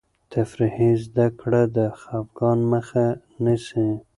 تفریحي زده کړه د خفګان مخه نیسي.